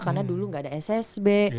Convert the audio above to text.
karena dulu gak ada ssb